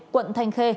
quận thanh khê